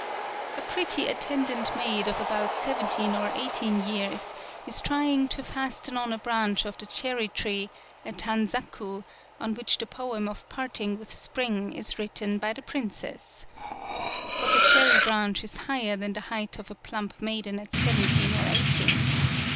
A pretty attendant maid of about seventeen or eighteen years is trying to fasten on a branch of the cherry tree, a Tanzaku, on which the poem of parting with spring is written by the princess. But the cherry branch is higher than the height of a plump maiden at seven teen or eighteen.